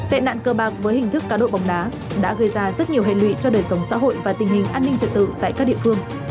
tệ nạn cơ bạc với hình thức cá độ bóng đá đã gây ra rất nhiều hệ lụy cho đời sống xã hội và tình hình an ninh trật tự tại các địa phương